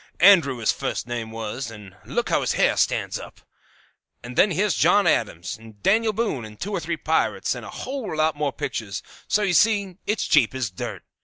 Andrew his fust name was; and look how his hair stands up. "And then here's John Adams, and Daniel Boone, and two or three pirates, and a whole lot more pictures; so you see it's cheap as dirt.